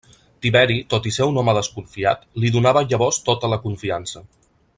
Tiberi, tot i ser un home desconfiat, li donava llavors tota la confiança.